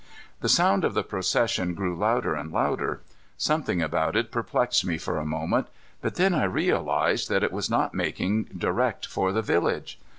The sound of the procession grew louder and louder. Something about it perplexed me for a moment, but then I realized that it was not making direct for the village.